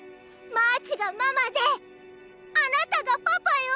マーチがママであなたがパパよ。